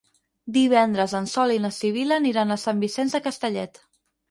Divendres en Sol i na Sibil·la aniran a Sant Vicenç de Castellet.